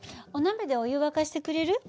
お鍋でお湯沸かしてくれる？